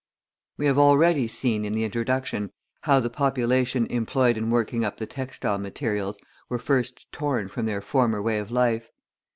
We have already seen in the introduction how the population employed in working up the textile materials were first torn from their former way of life.